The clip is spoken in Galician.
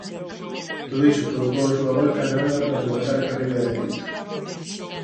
Todo iso provocou a súa volta a Granada para rematar a carreira de Dereito.